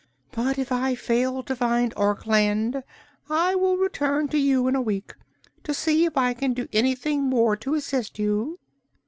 But if I fail to find Orkland I will return to you in a week, to see if I can do anything more to assist you."